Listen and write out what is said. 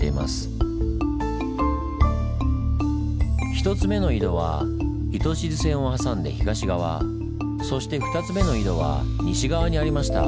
１つ目の井戸は糸静線を挟んで東側そして２つ目の井戸は西側にありました。